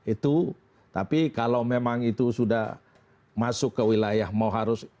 itu tapi kalau memang itu sudah masuk ke wilayah mau harus